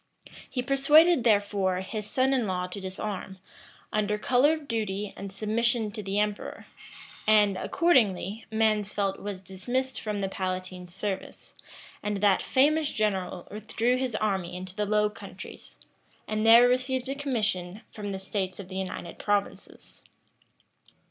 [*] He persuaded, therefore, his son in law to disarm, under color of duty and submission to the emperor; and, accordingly, Mansfeldt was dismissed from the palatine's service; and that famous general withdrew his army into the Low Countries, and there received a commission from the states of the United Provinces.